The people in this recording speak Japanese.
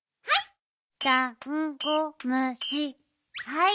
はい！